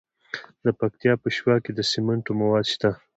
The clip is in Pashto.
د پکتیا په شواک کې د سمنټو مواد شته.